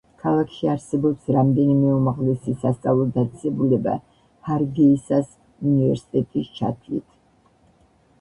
ქალაქში არსებობს რამდენიმე უმაღლესი სასწავლო დაწესებულება, ჰარგეისას უნივერსიტეტის ჩათვლით.